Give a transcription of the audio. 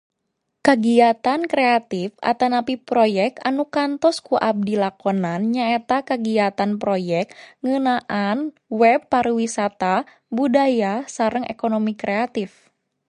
Kagiatan kreatip atanapi proyek anu kantos ku abdi lakonan nyaeta kagiatan proyek ngeunaan web pariwisata budaya sareng ekonomi kreatip.